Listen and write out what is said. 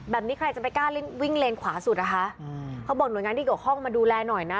แบบนี้ใครจะไปกล้าวิ่งเลนขวาสุดนะคะเขาบอกหน่วยงานที่เกี่ยวข้องมาดูแลหน่อยนะ